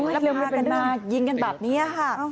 แล้วก็พากันมายิงกันแบบนี้ค่ะ